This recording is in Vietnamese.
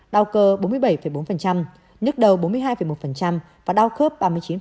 đau cơ bốn mươi bảy bốn nhức đầu bốn mươi hai một và đau khớp ba mươi chín